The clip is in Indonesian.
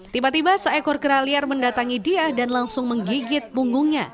tiba tiba seekor kera liar mendatangi dia dan langsung menggigit punggungnya